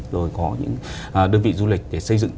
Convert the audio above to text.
rồi có những đơn vị du lịch để xây dựng